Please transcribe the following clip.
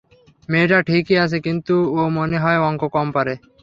মেয়েটা ঠিকই আছে, কিন্তু ও মনে হয় অংক কম পারে।